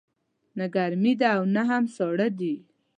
نه ګرمې ده او نه هم ساړه دی